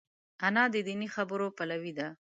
انا د دیني خبرو پلوي ده